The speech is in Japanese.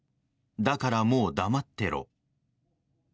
だからもう黙ってろ。